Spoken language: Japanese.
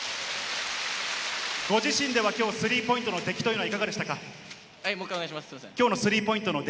ご自身ではきょうスリーポイントの出来というのはいかがでしたか？